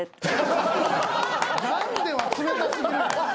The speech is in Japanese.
「何で！？」は冷た過ぎる。